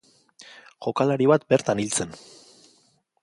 Jokalari bat bertan hil zen.